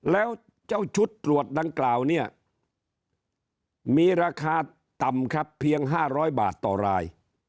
แล้วเจ้าชุดตรวจดังกล่าวเนี่ยมีราคาต่ำครับเพียง๕๐๐บาทต่อราย